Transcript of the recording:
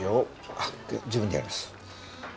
あっ自分でやります。